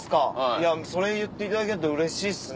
いやそれ言っていただけるとうれしいっすね。